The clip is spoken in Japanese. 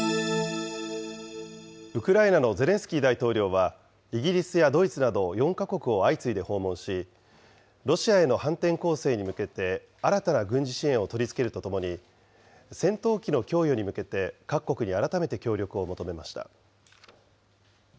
ウクライナのゼレンスキー大統領は、イギリスやドイツなど４か国を相次いで訪問し、ロシアへの反転攻勢に向けて新たな軍事支援を取り付けるとともに、戦闘機の供与に向けて各国に改めて協力を求めました。